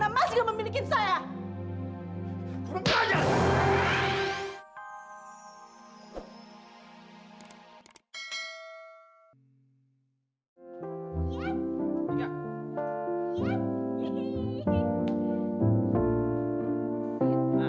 mas tau kenapa